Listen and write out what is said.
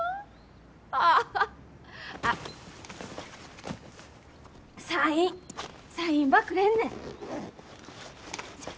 ああっあっサインサインばくれんね